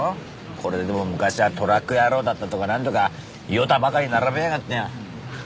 これでも昔はトラック野郎だったとかなんとかヨタばかり並べやがって。